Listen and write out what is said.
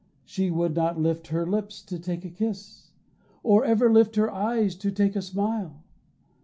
She would not lift her lips to take a kiss, Or ever lift her eyes to take a smile.